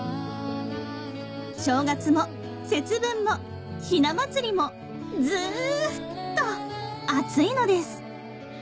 「正月も節分もひな祭りもずっと暑いのです。